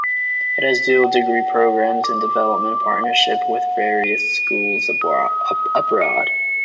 It has dual degree programs and development partnerships with various schools abroad.